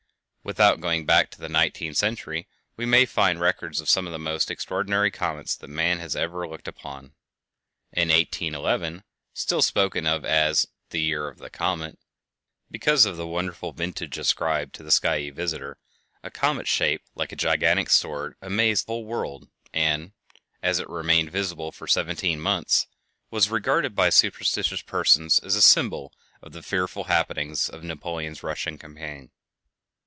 Without going back of the nineteenth century we may find records of some of the most extraordinary comets that man has ever looked upon. In 1811, still spoken of as "the year of the comet," because of the wonderful vintage ascribed to the skyey visitor, a comet shaped like a gigantic sword amazed the whole world, and, as it remained visible for seventeen months, was regarded by superstitious persons as a symbol of the fearful happenings of Napoleon's Russian campaign.